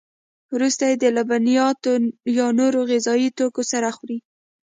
وروسته یې د لبنیاتو یا نورو غذایي توکو سره خوري.